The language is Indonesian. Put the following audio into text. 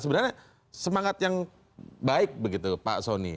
sebenarnya semangat yang baik begitu pak soni